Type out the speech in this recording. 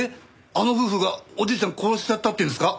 あの夫婦がおじいちゃん殺しちゃったっていうんですか？